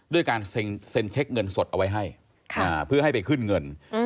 ด้วยการเซ็นเช็คเงินสดเอาไว้ให้เพื่อให้ไปขึ้นเงิน